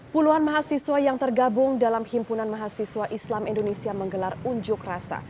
puluhan mahasiswa yang tergabung dalam himpunan mahasiswa islam indonesia menggelar unjuk rasa